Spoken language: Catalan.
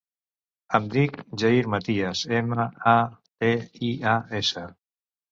Em dic Jair Matias: ema, a, te, i, a, essa.